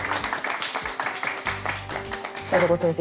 里子先生